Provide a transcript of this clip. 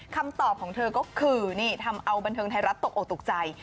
คำตอบของเธอก็คือนี่ทำเอาบันเทิงไทยรัฐตกออกตกใจ